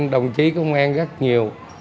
đồng chí công an rất nhiều